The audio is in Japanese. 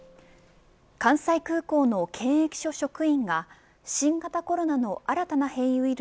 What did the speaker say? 関西空港の検疫所職員が新型コロナの新たな変異ウイル